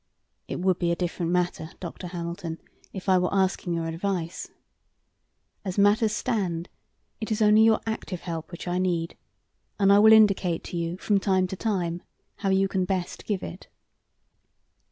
It would be a different matter, Dr. Hamilton, if I were asking your advice. As matters stand, it is only your active help which I need, and I will indicate to you from time to time how you can best give it."